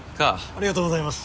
ありがとうございます！